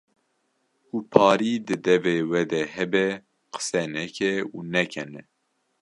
Ku parî di deve we de hebe qise neke û nekene